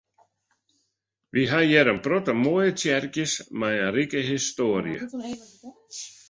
Wy ha hjir in protte moaie tsjerkjes mei in rike histoarje.